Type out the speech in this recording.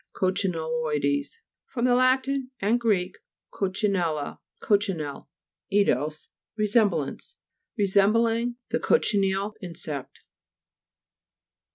COCCINELLOIDES fr. lat. and gr. coccinella, cochineal, eidos, resem blance. Resembling the cochineal insect.